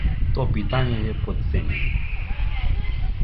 То питање је потцењено.